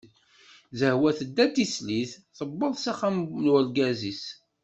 Zehwa tedda d tislit, tewweḍ s axxam n urgaz-is.